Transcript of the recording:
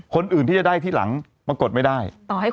คนอื่นที่จะได้ที่หลังปรากฏไม่ได้